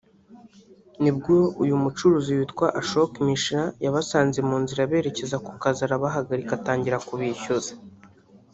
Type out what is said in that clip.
nibwo uyu mucuruzi witwa Ashok Mishra yabasanze mu nzira berekeza ku kazi arabahagarika atangira kubishyuza